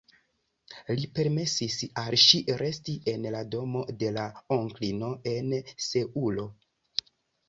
Li permesis al ŝi resti en la domo de la onklino en Seulo.